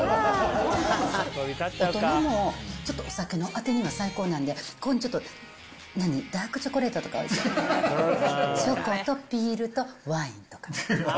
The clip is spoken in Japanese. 大人も、ちょっとお酒の当てには最高なんで、ここにちょっとダークチョコレートとか置いて、チョコとピールとワインとか。